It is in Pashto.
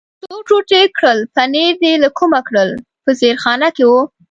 څو ټوټې کړل، پنیر دې له کومه کړل؟ په زیرخانه کې و.